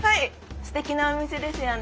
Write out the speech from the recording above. すてきなお店ですよね！